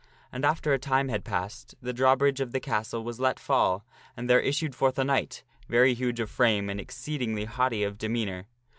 And after a time had passed, the drawbridge of the castle was let fall, and there issued forth a knight, very huge of frame and exceedingly haughty of demeanor.